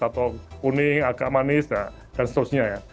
atau kuning agak manis dan seterusnya ya